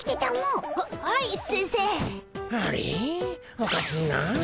おかしいなあ。